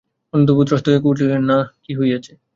অন্নদাবাবু ত্রস্ত হইয়া উঠিয়া কহিলেন, না, কী হইয়াছে?